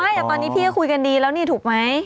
ตอนนี้พี่ก็คุยกันดีแล้วนี่ถูกไหม